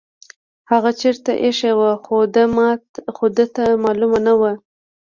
هغه چیرته ایښې وه خو ده ته معلومه نه وه.